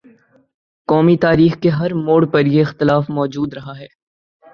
قومی تاریخ کے ہر موڑ پر یہ اختلاف مو جود رہا ہے۔